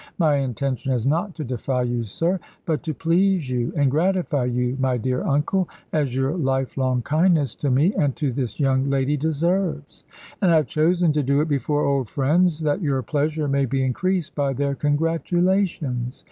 My intention is not to defy you, sir; but to please you and gratify you, my dear uncle, as your lifelong kindness to me and to this young lady deserves. And I have chosen to do it before old friends, that your pleasure may be increased by their congratulations.